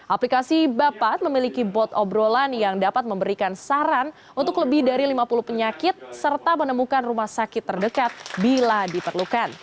aplikasi bapat memiliki bot obrolan yang dapat memberikan saran untuk lebih dari lima puluh penyakit serta menemukan rumah sakit terdekat bila diperlukan